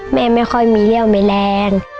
แม่ไม่ค่อยมีเลี่ยวแมลง